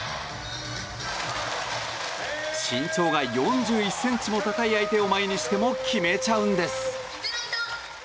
身長が４１ｃｍも高い相手を前にしても決めちゃうんです。